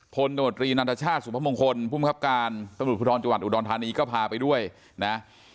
พลโนตรีนัฐชาติสุภพมงคลผู้มีความคิดการตระบุพุทธรจังหวัดอุดรฐานีก็พาไปด้วยนะ